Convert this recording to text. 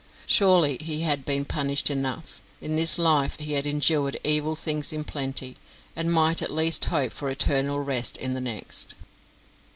Surely he had been punished enough; in this life he had endured evil things in plenty, and might at least hope for eternal rest in the next.